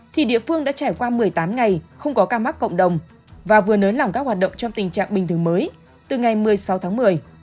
thì địa phương đã trải qua một mươi tám ngày không có ca mắc cộng đồng và vừa nới lỏng các hoạt động trong tình trạng bình thường mới từ ngày một mươi sáu tháng một mươi